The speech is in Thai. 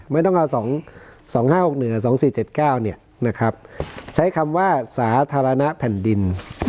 ไม่ต้องเอา๒๕๖๑๒๔๗๙ใช้คำว่าสาธารณะแผ่นดิน